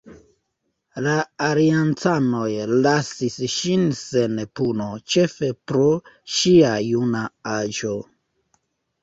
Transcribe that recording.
La aliancanoj lasis ŝin sen puno, ĉefe pro ŝia juna aĝo.